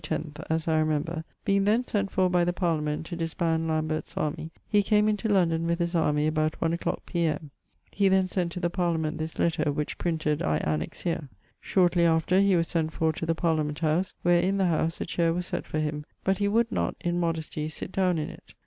10th (as I remember), being then sent for by the Parliament to disband Lambert's armie, he came into London with his army about one a clock P.M.[XXIX.] He then sent to the Parliament this letter, which, printed, I annex here. Shortly after he was sent for to the Parliament house; where, in the howse, a chaire was sett for him, but he would not (in modestie) sitt downe in it.